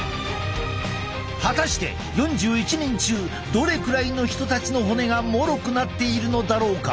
果たして４１人中どれくらいの人たちの骨がもろくなっているのだろうか？